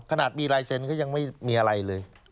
ขนาดมีลายเซ็นต์ก็ยังไม่มีอะไรเลย